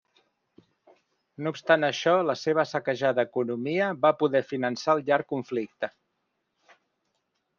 No obstant això la seva saquejada economia va poder finançar el llarg conflicte.